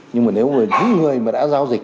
nhưng mà nếu những người mà đã giao dịch